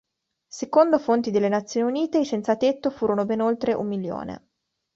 Secondo fonti delle Nazioni Unite, i senzatetto furono ben oltre un milione.